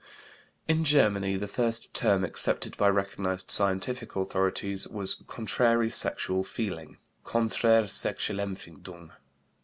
In Germany the first term accepted by recognized scientific authorities was "contrary sexual feeling" (Konträre Sexualempfindung).